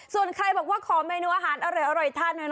ส่วนใครบอกว่าขอแมนูอาหารอร่อยท่านไปเหรอ